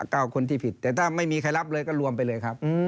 เก้าคนที่ผิดแต่ถ้าไม่มีใครรับเลยก็รวมไปเลยครับ